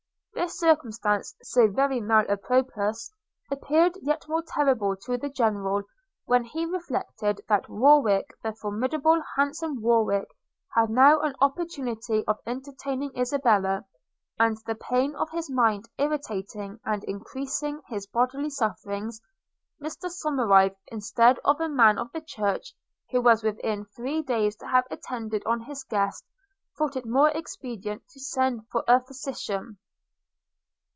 This circumstance, so very mal apropos, appeared yet more terrible to the General, when he reflected that Warwick, the formidable handsome Warwick, had now an opportunity of entertaining Isabella; and the pain of his mind irritating and increasing his bodily sufferings, Mr Somerive, instead of a man of the church, who was within three days to have attended on his guest, thought it more expedient to send for a physician.